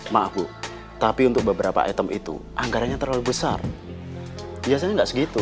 maaf bu tapi untuk beberapa item itu anggarannya terlalu besar biasanya nggak segitu